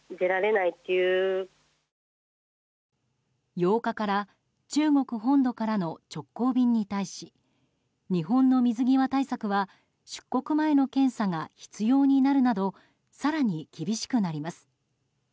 ８日から中国本土からの直行便に対し日本の水際対策は出国前の検査が必要になるなど更に厳しくなります。